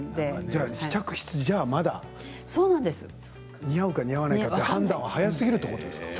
じゃあ、試着室じゃまだ似合うか似合わないかって判断は早すぎるってことですか。